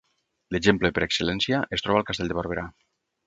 L’exemple per excel·lència es troba al castell de Barberà.